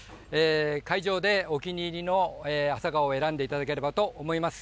会場でお気に入りの朝顔を選んでいただければと思います。